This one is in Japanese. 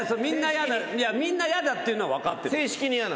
みんな嫌だっていうのは分かって。